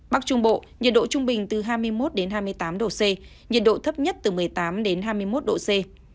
bắc trung bộ nhiệt độ trung bình từ hai mươi một đến hai mươi tám độ c nhiệt độ thấp nhất từ một mươi tám đến hai mươi một độ c